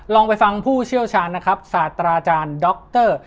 ลองไปฟังผู้เชี่ยวชาญสาจราจานด็อคเตอร์